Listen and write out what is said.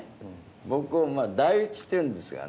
僕を「代打ち」っていうんですがね。